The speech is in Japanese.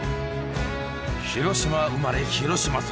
広島生まれ広島育ち。